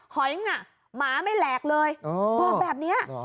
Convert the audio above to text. หอยน่ะหมาไม่แหลกเลยบอกแบบนี้